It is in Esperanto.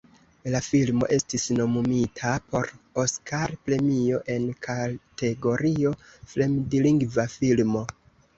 La filmo estis nomumita por Oskar-premio en kategorio "fremdlingva filmo".